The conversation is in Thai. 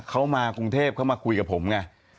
เขามากรุงเทพเขามาคุยกับผมไง